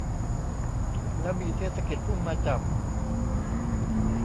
แล้วมีเทศกิจพุ่งมาจับ